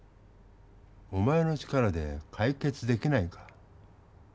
お前の力でかい決できないか？